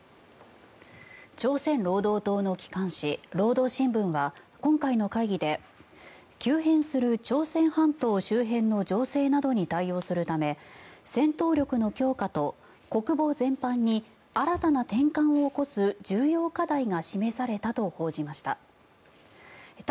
朝鮮労働党の機関紙、労働新聞は今回の会議で、急変する朝鮮半島周辺の情勢などに対応するため戦闘力の強化と国防全般に新たな転換を起こす重要課題が示されたと報じました。